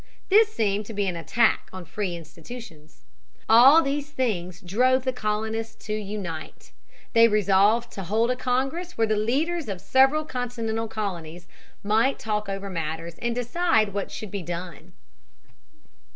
This seemed to be an attack on free institutions. All these things drove the colonists to unite. They resolved to hold a congress where the leaders of the several continental colonies might talk over matters and decide what should be done.